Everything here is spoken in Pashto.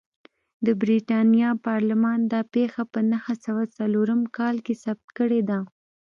د برېټانیا پارلمان دا پېښه په نهه سوه څلورم کال کې ثبت کړې ده.